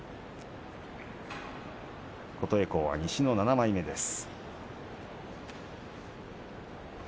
琴恵光は西の７枚目です。